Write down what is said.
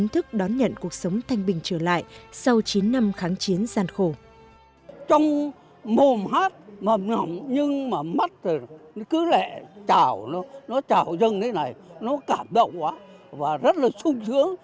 trong mồm hát mầm ngọng nhưng mà mắt cứ lẹ trào nó trào dâng thế này nó cảm động quá và rất là sung sướng